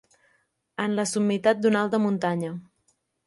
En la summitat d'una alta muntanya.